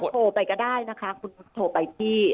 โทรไปก็ได้นะคะคุณโทรไปที่